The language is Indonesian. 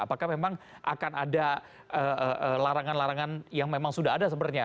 apakah memang akan ada larangan larangan yang memang sudah ada sebenarnya